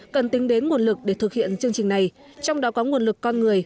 cần tính đến nguồn lực để thực hiện chương trình này trong đó có nguồn lực con người